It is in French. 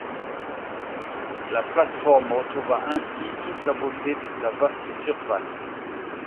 La plate-forme retrouva ainsi toute la beauté de sa vaste surface.